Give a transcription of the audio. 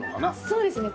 そうですね。